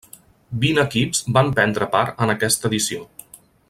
Vint equips van prendre part en aquesta edició.